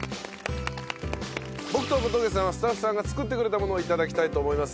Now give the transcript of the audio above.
僕と小峠さんはスタッフさんが作ってくれたものを頂きたいと思います。